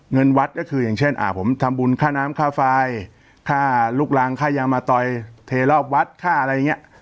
เงินวัดก็คืออย่างเช่นผมทำบุญค่าน้ำค่าไฟค่าลุกลางค่ายางมาตอยเทรอบวัดค่าอะไรอย่างนี้